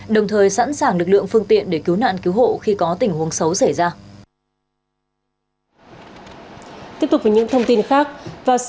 đồng thời sẵn sàng lực lượng phương tiện để cứu nạn cứu hộ khi có tình huống xấu xảy ra